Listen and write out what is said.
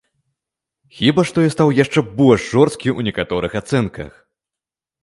Хіба што я стаў яшчэ больш жорсткі ў некаторых ацэнках.